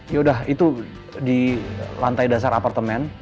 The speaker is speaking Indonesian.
yaudah itu di lantai dasar apartemen